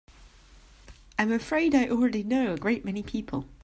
I'm afraid I already know a great many people.